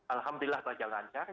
alhamdulillah berjalan lancar